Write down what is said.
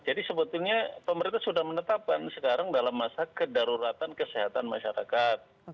jadi sebetulnya pemerintah sudah menetapkan sekarang dalam masa kedaruratan kesehatan masyarakat